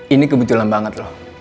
ini kebetulan banget loh